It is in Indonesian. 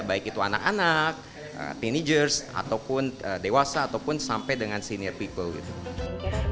baik itu anak anak teagers ataupun dewasa ataupun sampai dengan senior people gitu